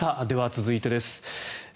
では、続いてです。